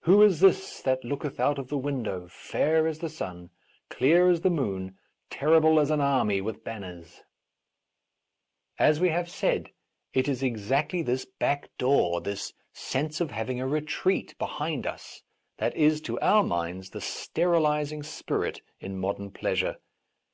Who is this that looketh out of the window, fair as the sun, clear as the moon, terrible as an army with ban ners }" As we have said, it is exactly this back A Defence of Rash Vows door, this sense of having a retreat behind us, that is, to our minds, the sterilizing spirit in modern pleasure.